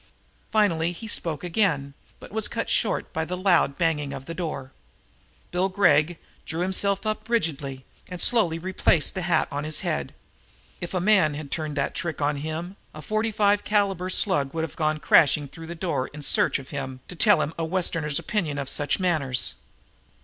Finally he spoke again, but was cut short by the loud banging of the door. Bill Gregg drew himself up rigidly and slowly replaced the hat on his head. If a man had turned that trick on him, a .45 caliber slug would have gone crashing through the door in search of him to teach him a Westerner's opinion of such manners.